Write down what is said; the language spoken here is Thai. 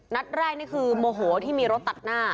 นัดแรกนี่คือโมโหที่มีรถตัดหน้า